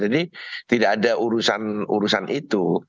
jadi tidak ada urusan urusan itu